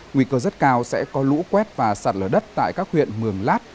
nguy cơ rất cao sẽ có lũ quét và sạt lở đất tại các huyện mường lát